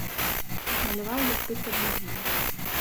Маляваў я прыкладна дзень.